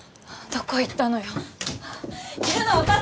・どこ行ったの！